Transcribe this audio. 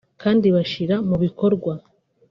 kandi bashyira mu bikorwa